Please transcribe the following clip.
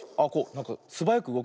なんかすばやくうごくね。